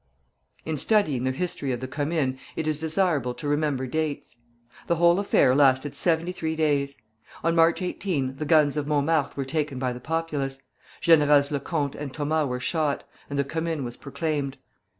In studying the history of the Commune, it is desirable to remember dates. The whole affair lasted seventy three days. On March 18 the guns on Montmartre were taken by the populace, Generals Lecomte and Thomas were shot, and the Commune was proclaimed.